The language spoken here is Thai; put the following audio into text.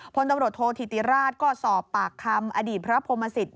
พลตำรวจโทษธิติราชก็สอบปากคำอดีตพระพรมศิษฐ